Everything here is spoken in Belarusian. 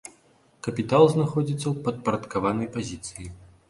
Капітал знаходзіцца ў падпарадкаванай пазіцыі.